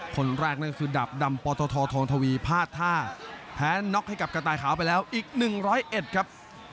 คนแรกนั่นก็คือดาบดำปตททองทวีพลาดท่าแพ้น็อกให้กับกระต่ายขาวไปแล้วอีก๑๐๑ครับ